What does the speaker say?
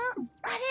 あれ？